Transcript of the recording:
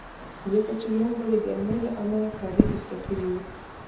ځکه چې موږ به د ګرمۍ له امله کالي ایسته کړي وي.